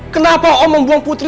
kenapa om membuang putri